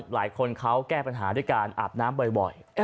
หลายคนเขาแก้ปัญหาด้วยการอาบน้ำบ่อย